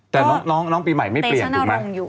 แต่น้องปีใหม่ไม่เปลี่ยนถูกไหม